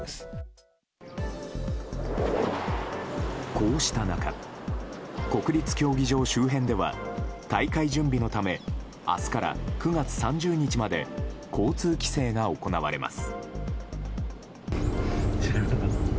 こうした中国立競技場周辺では大会準備のため明日から９月３０日まで交通規制が行われます。